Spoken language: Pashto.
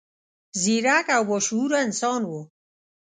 ځیرک او با شعوره انسان و.